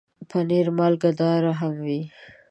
پنېر مالګهدار هم وي.